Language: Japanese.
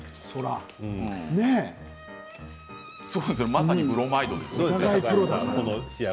まさにブロマイドですね。